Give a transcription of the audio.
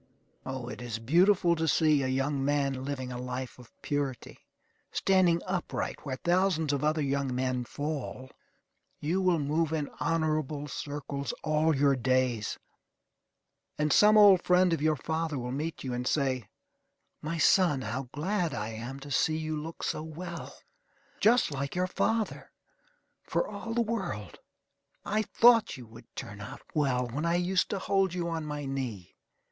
O, it is beautiful to see a young man living a life of purity, standing upright where thousands of other young men fall. You will move in honorable circles all your days; and some old friend of your father will meet you and say: "My son, how glad I am to see you look so well. Just like your father, for all the world. I thought you would turn out well when I used to hold you on my knee.